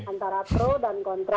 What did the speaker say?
antara pro dan kontra